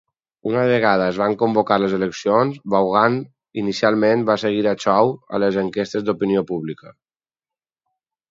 Una vegada es van convocar les eleccions, Vaughan inicialment va seguir a Chow a les enquestes d'opinió pública.